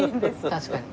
確かに。